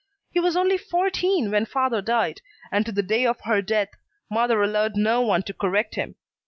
He was only fourteen when father died, and to the day of her death mother allowed no one to correct him.